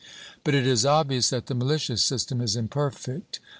But it is obvious that the militia system is imperfect.